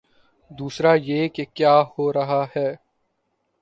دوسرا یہ کہ کیا ہو رہا ہے۔